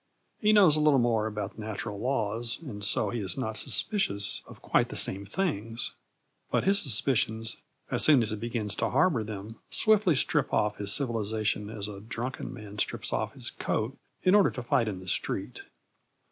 He knows a little more about natural laws, and so he is not suspicious of quite the same things; but his suspicions, as soon as he begins to harbour them, swiftly strip off his civilisation as a drunken man strips off his coat in order to fight in the street.